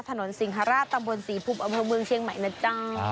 สิงหาราชตำบลศรีภูมิอำเภอเมืองเชียงใหม่นะจ๊ะ